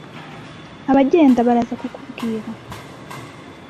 Abagenda baraza kukubwira.